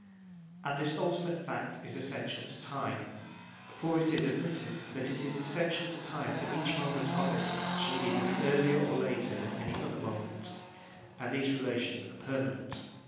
And this ultimate fact is essential to time. For it is admitted that it is essential to time that each moment of it shall either be earlier or later than any other moment; and these relations are permanent.